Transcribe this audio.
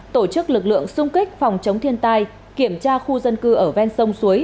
tổ chức lực lượng xung kích phòng chống thiên tai kiểm tra khu dân cư ở ven sông suối